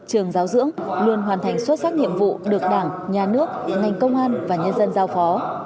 trường giáo dưỡng luôn hoàn thành xuất sắc nhiệm vụ được đảng nhà nước ngành công an và nhân dân giao phó